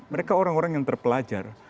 mereka orang orang yang terpelajar